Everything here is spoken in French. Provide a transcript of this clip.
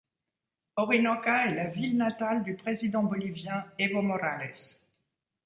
Orinoca est la ville natale du président bolivien, Evo Morales.